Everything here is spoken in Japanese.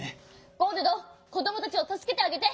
ゴールドこどもたちをたすけてあげて！